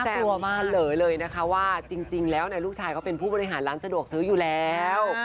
กลัวมากเหลือเลยนะคะว่าจริงแล้วลูกชายเขาเป็นผู้บริหารร้านสะดวกซื้ออยู่แล้ว